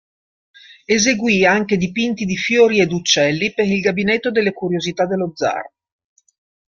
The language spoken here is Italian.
Eseguì anche dipinti di fiori ed uccelli per il gabinetto delle curiosità dello zar.